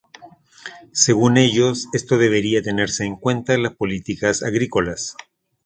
Según ellos, esto debería tenerse en cuenta en las políticas agrícolas.